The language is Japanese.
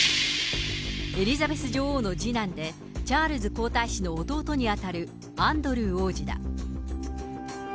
エリザベス女王の次男で、チャールズ皇太子の弟に当たるアンドルー王子だ。